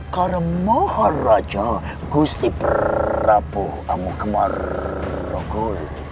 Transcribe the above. karena maharaja gusti prabowo amukamaragul